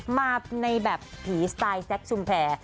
มาในแบบผีสไตล์แซคชุมแพร